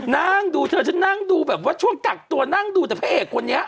นั่งดูเธอฉันนั่งดูแบบว่าช่วงกักตัวนั่งดูแต่พระเอกคนนี้